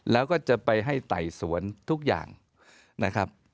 แล้วก็จะไปให้ไต่สวนทุกอย่างนะครับ